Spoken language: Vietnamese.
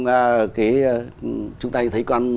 cái chúng ta thấy con